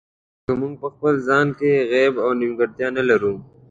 که موږ په خپل ځان کې عیب او نیمګړتیا نه لرو.